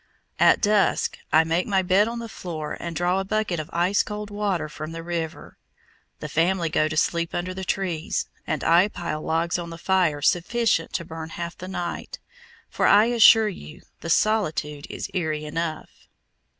At dusk I make my bed on the floor, and draw a bucket of ice cold water from the river; the family go to sleep under the trees, and I pile logs on the fire sufficient to burn half the night, for I assure you the solitude is eerie enough.